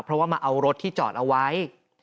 เพราะว่ามาเอารถที่จอดเอาไว้